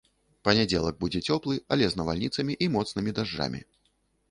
Панядзелак будзе цёплы, але з навальніцамі і моцнымі дажджамі.